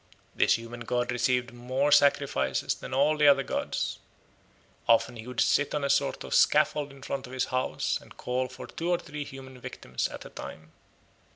This human god received more sacrifices than all the other gods; often he would sit on a sort of scaffold in front of his house and call for two or three human victims at a time.